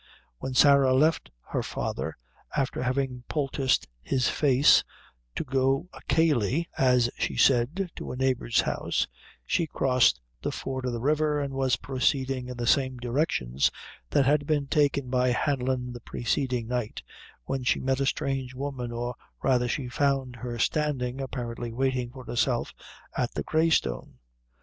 When Sarah left her father, after having poulticed his face, to go a kailley, as she said, to a neighbor's house, she crossed the ford of the river, and was proceeding in the same directions that had been taken by Hanlon the preceding night, when she met a strange woman, or rather she found her standing, apparently waiting for herself, at the Grey Stone.